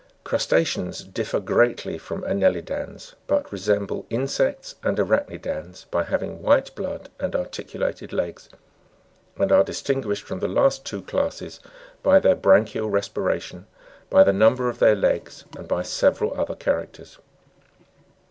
2. Crusta'ceans differ greatly from anne'lidans, but resemble insects and arach'nidans by having white blood, and articulated legs ; and are distinguished from the two last classes, by their branchial respiration, by the number of their legs, and by several other characters.